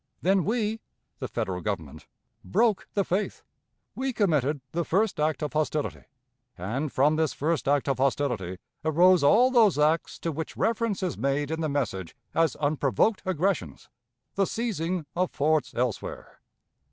Then we, the Federal Government, broke the faith; we committed the first act of hostility; and from this first act of hostility arose all those acts to which reference is made in the message as unprovoked aggressions the seizing of forts elsewhere.